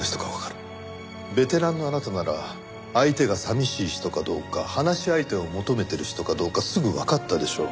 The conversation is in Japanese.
ベテランのあなたなら相手が寂しい人かどうか話し相手を求めてる人かどうかすぐわかったでしょう。